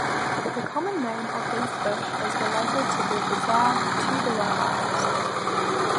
The common name of these fish is related to their bizarre, tubular eyes.